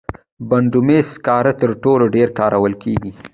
بټومینس سکاره تر ټولو ډېر کارول کېږي.